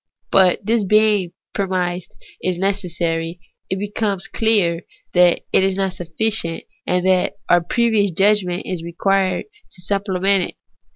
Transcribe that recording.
But this being premised as necessary, it becomes clear that it is not sufficient, and that our previous judgment is required to supplement it.